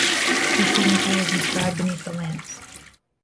His signature is inscribed beneath the lamps.